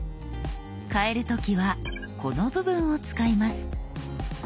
変える時はこの部分を使います。